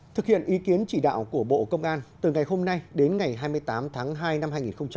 thực hiện ý kiến chỉ đạo của bộ công an từ ngày hôm nay đến ngày hai mươi tám tháng hai năm hai nghìn hai mươi